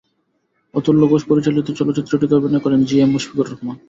অতুল্য ঘোষ পরিচালিত চলচ্চিত্রটিতে অভিনয় করেন জি এম মুশফিকুর রহমান।